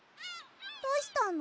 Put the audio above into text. どうしたの？